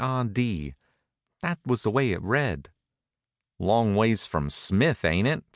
R. D. that was the way it read. "Long ways from Smith, ain't it?"